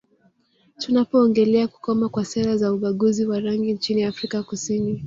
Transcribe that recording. Tunapoongelea kukoma kwa sera za ubaguzi wa rangi nchini Afrika Kusini